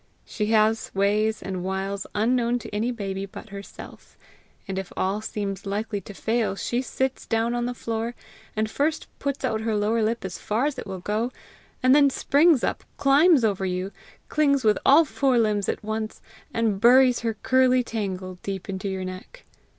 She has ways and wiles unknown to any baby but herself; and if all seems likely to fail, she sits down on the floor, and first puts out her lower lip as far as it will go, and then springs up, climbs over you, clings with all four limbs at once, and buries her curly tangle deep into your neck.